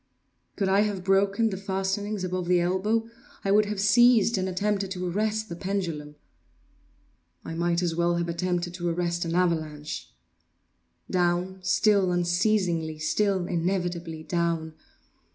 Could I have broken the fastenings above the elbow, I would have seized and attempted to arrest the pendulum. I might as well have attempted to arrest an avalanche! Down—still unceasingly—still inevitably down!